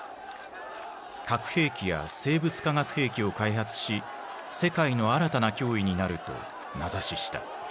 核兵器や生物・化学兵器を開発し世界の新たな脅威になると名指しした。